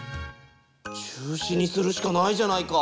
中止にするしかないじゃないか。